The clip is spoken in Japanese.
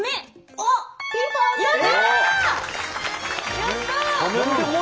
やった！